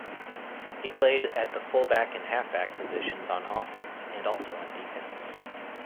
He played at the fullback and halfback positions on offense and also on defense.